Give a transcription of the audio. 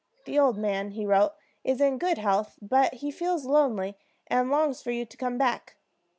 "The old man," he wrote, "is in good health, but he feels lonely, and longs for you to come back.